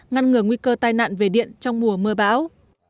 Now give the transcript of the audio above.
ngăn ngừa nguy cơ tai nạn về điện trong mùa mưa bão